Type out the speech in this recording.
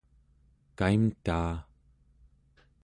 kaimtaa